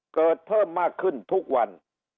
เพิ่มมากขึ้นทุกวัน